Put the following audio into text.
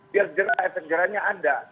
biar jerah efek jerahnya ada